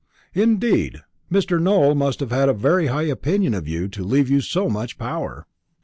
"Indeed! Mr. Nowell must have had a very high opinion of you to leave you so much power."